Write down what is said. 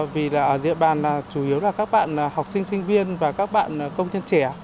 vì là ở địa bàn là chủ yếu là các bạn là học sinh sinh viên và các bạn là công nhân trẻ